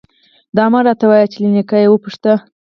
_دا مه راته وايه چې له نيکه وپوښته.